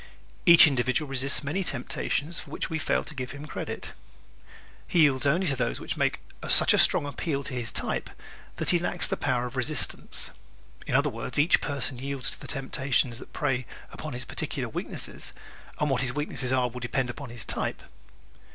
Each individual resists many temptations for which we fail to give him credit. He yields only to those which make such a strong appeal to his type that he lacks the power of resistance. In other words, each person yields to the temptations that prey upon his particular weaknesses, and what his weaknesses are will depend upon his type.